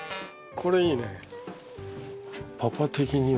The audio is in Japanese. これいいね。